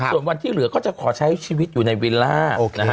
ส่วนวันที่เหลือก็จะขอใช้ชีวิตอยู่ในวิลล่า